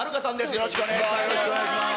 よろしくお願いします。